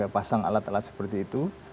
pasang alat alat seperti itu